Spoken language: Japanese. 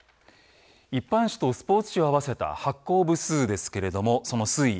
一般紙とスポーツ紙を合わせた発行部数ですけれどもその推移